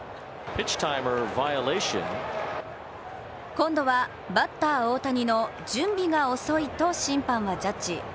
今度はバッター・大谷の準備が遅いと審判はジャッジ。